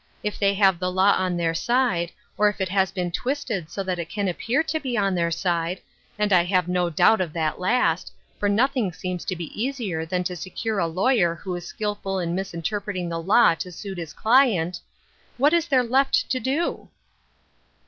If they have the law on their side, or if it has been twisted so that it can appear to be on their side — and I have no doubt of that last ; for nothing seems to be easier than to secure a lawyer who is skillful in misinter preting law to suit his client — what is there left to do